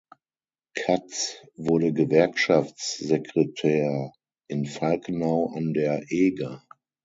Katz wurde Gewerkschaftssekretär in Falkenau an der Eger.